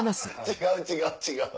違う違う。